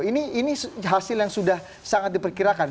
ini hasil yang sudah sangat diperkirakan